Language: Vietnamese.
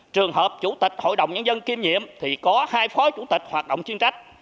trường hợp chủ tịch hội đồng nhân dân kiêm nhiệm thì có hai phó chủ tịch hoạt động chuyên trách